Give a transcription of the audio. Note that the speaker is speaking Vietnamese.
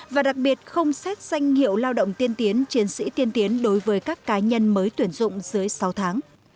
và đặc biệt không xét danh hiệu lao động tiên tiến chiến sĩ tiên tiến đối với các cá nhân mới tuyển dụng dưới sáu tháng